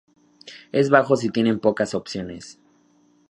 Es bajo si tienen pocas opciones.